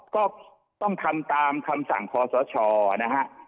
ก็ต้องทำตามคำสั่งคอสชนะฮะ